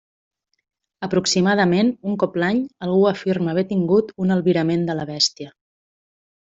Aproximadament un cop l'any algú afirma haver tingut un albirament de la bèstia.